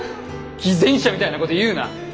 偽善者みたいなこと言うな。